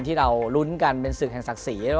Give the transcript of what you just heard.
ที่เราลุ้นกันเป็นศึกแห่งศักดิ์ศรี